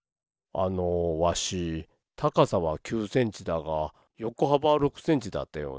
あのわしたかさは９センチだがよこはばは６センチだったような。